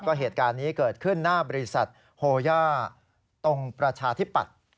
ก็เหตุการณ์นี้เกิดขึ้นหน้าบริษัทโฮย่าตรงประชาธิปัตย์